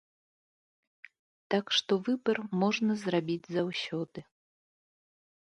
Так што выбар можна зрабіць заўсёды.